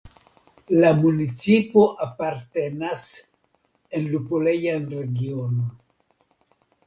La municipo apartenas en lupolejan regionon.